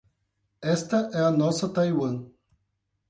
Esta é a nossa Taiwan